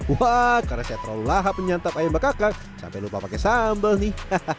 wah karena saya terlalu lahap menyantap ayam bakaka sampai lupa pakai sambal nih